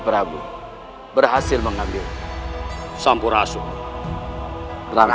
prabowo berhasil mengambil sampurasung berangkis